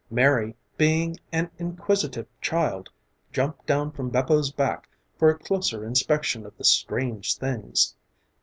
Mary, being an inquisitive child, jumped down from Bepo's back for a closer inspection of the strange things.